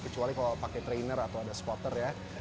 kecuali kalau pakai trainer atau ada spotter ya